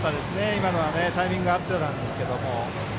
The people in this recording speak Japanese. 今のはタイミングが合ってたんですけど。